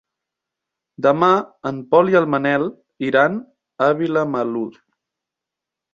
Demà en Pol i en Manel iran a Vilamalur.